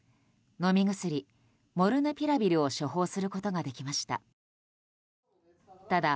飲み薬、モルヌピラビルを処方することができました。